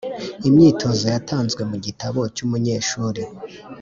Imyitozo yatanzwe mu gitabo cy’umunyeshuri